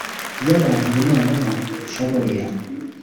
y abantu ubu noneho nshoboye